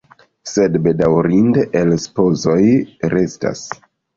Sed bedaŭrinde elspezoj restas.